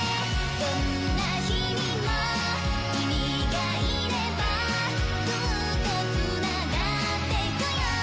どんな日々も君がいればずっと繋がってゆくよ